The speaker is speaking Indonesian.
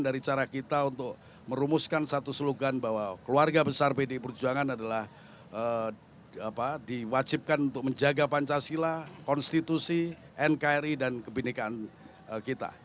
dari cara kita untuk merumuskan satu slogan bahwa keluarga besar pdi perjuangan adalah diwajibkan untuk menjaga pancasila konstitusi nkri dan kebenekaan kita